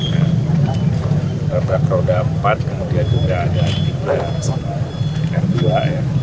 karena keraudan empat kemudian juga ada tiga r dua ya